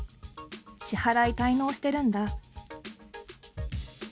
支払い滞納してるんだ。